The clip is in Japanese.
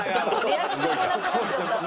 リアクションもなくなっちゃった。